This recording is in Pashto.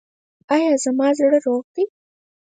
ایا زما زړه روغ دی؟